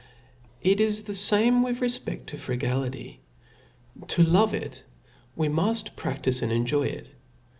It is the fame with refped to frugality. To love it, we muft pra&ife and enjoy it.